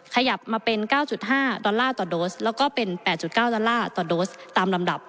ขยับมาเป็น๙๕ดอลลาร์ต่อโดสแล้วก็เป็น๘๙ดอลลาร์ต่อโดสตามลำดับ